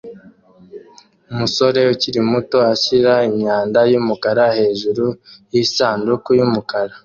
Umusore ukiri muto ashyira imyanda yumukara hejuru yisanduku yumukara